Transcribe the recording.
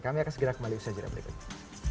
kami akan segera kembali usaha cerita berikutnya